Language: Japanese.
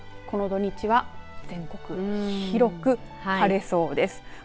ですので、この土日は全国広く晴れそうです。